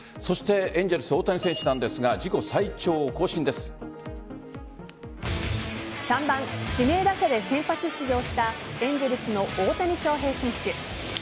エンゼルス・大谷選手なんですが３番・指名打者で先発出場したエンゼルスの大谷翔平選手。